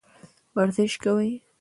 ورزش کوئ.